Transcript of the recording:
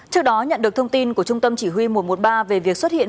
trước đó nhận được thông tin của trung tâm chỉ huy một trăm một mươi ba về việc xuất hiện